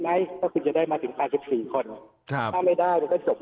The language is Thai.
ไหมก็คุณจะได้มาถึงความภาค๑๔คนครับไม่ได้คุณได้ส่ง